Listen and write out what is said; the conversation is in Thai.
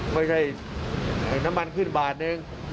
ไม่ใช่น้ำมันขึ้นบาทนึง